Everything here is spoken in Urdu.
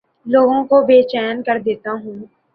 لوگوں کو بے چین کر دیتا ہوں